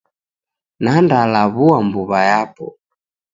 Nandalaw'ua mbuw'a yapo.